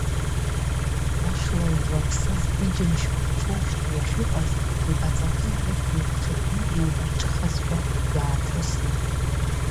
Ашла злаԥсаз иџьымшьқәа рҽоужьны иахьыҟаз, иԥаҵақәеи урҭи еиқәҽыҭны иеибарҿыхазшәа, иааҭрыслон.